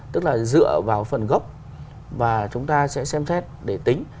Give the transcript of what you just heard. tức là dựa vào phần gốc và chúng ta sẽ xem xét để tính